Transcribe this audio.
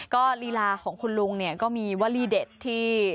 ก็ลีลาของคุณลุงเนี่ยก็มีวลีเด็ดที่